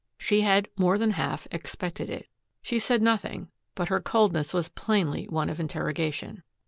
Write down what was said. She had more than half expected it. She said nothing, but her coldness was plainly one of interrogation.